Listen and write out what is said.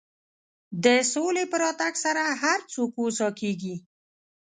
د سولې په راتګ سره هر څوک هوسا کېږي.